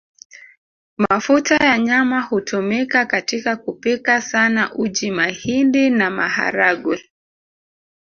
Mafuta ya nyama hutumika katika kupika sana uji mahindi na maharagwe